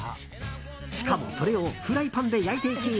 しかも、それをフライパンで焼いていき